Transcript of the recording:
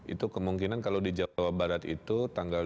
itu kemungkinan kalau di jawa barat itu tanggal